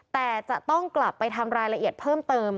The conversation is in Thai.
แต่จะต้องกลับไปทำรายละเอียดเพิ่มเติม